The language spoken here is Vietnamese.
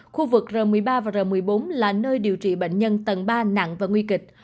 khu vực r một mươi ba và r một mươi bốn là nơi điều trị bệnh nhân tầng ba nặng và nguy kịch